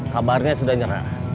kabarnya sudah nyerah